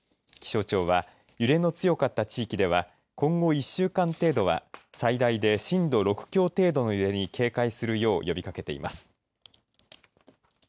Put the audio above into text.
気象庁は揺れの強かった地域では今後、１週間程度は最大で震度６強程度の揺れに警戒するよう呼びかけています。